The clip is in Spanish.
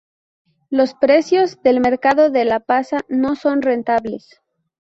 Los precios del mercado de la pasa no son rentables.